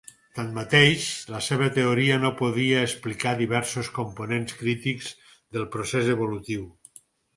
Tanmateix, la seva teoria no podia explicar diversos components crítics del procés evolutiu.